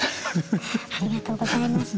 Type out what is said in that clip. ありがとうございます。